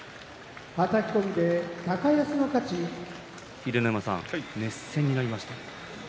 秀ノ山さん、熱戦になりましたね。